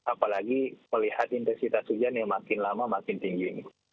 apalagi melihat intensitas hujan yang makin lama makin tinggi ini